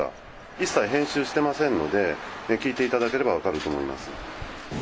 一切編集してませんので、聞いていただければ分かると思います。